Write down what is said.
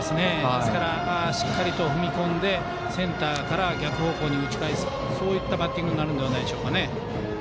ですから、しっかり踏み込んでセンターから逆方向に打ち返すそういったバッティングになると思います。